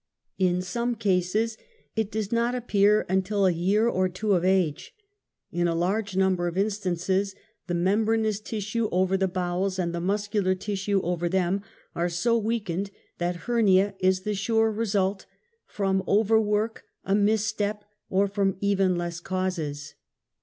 In some cases it does not appear until a year or two of age. In a large number of instances, the membraneous tissue over the bowels and the muscular tissue over them, are so weakened that hernia is the sure result, from over work, a misstep, or from even less causes.